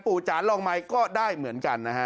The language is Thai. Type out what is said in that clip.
ปู่จานลองใหม่ก็ได้เหมือนกันนะฮะ